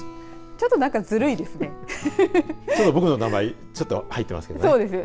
ちょっと僕の名前ちょっと入ってますけどね。